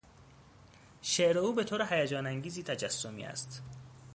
شعر او به طور هیجانانگیزی تجسمی است.